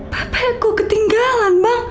bapaknya kok ketinggalan bang